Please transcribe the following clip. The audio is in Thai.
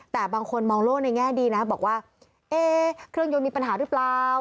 แต่บางคนมองโลกในแง่ดีนะบอกว่าเอ๊เครื่องยนต์มีปัญหาหรือเปล่า